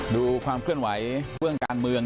ดูความเวลาแหล่งเวลาการเมืองตรงเนี่ย